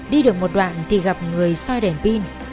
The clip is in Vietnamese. đi được một đoạn thì gặp người soi đèn pin